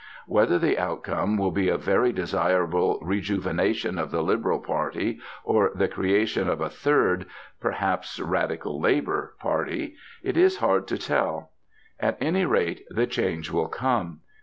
Whether the outcome will be a very desirable rejuvenation of the Liberal Party, or the creation of a third perhaps Radical Labour party, it is hard to tell. At any rate, the change will come.